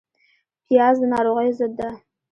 پیاز د ناروغیو ضد ده